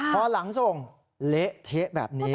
พอหลังส่งเละเทะแบบนี้